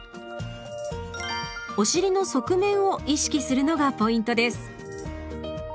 お尻の側面を意識するのがポイントです。